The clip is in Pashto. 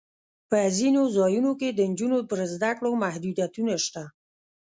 په ځینو ځایونو کې د نجونو پر زده کړو محدودیتونه شته.